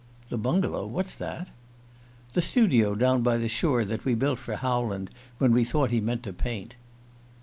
"The bungalow? What's that?" "The studio down by the shore that we built for Howland when he thought he meant to paint."